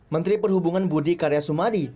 menteri perhubungan budi karya sumadi